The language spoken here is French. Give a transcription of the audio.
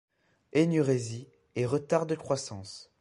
Énurésie et retards de croissance.